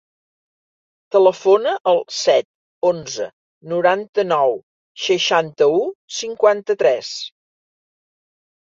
Telefona al set, onze, noranta-nou, seixanta-u, cinquanta-tres.